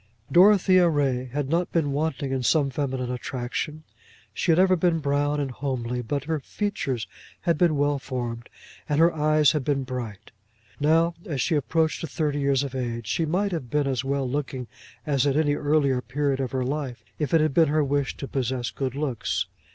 Dorothea Ray had not been wanting in some feminine attraction. She had ever been brown and homely, but her features had been well formed, and her eyes had been bright. Now, as she approached to thirty years of age, she might have been as well looking as at any earlier period of her life if it had been her wish to possess good looks.